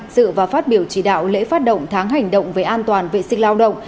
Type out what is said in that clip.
dự và phát biểu chỉ đạo lễ phát động tháng hành động về an toàn vệ sinh lao động